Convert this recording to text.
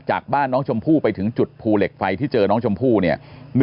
จากบ้านน้องชมพู่ไปถึงจุดภูเหล็กไฟที่เจอน้องชมพู่เนี่ย